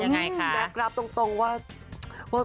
แบ็ครับตรงว่า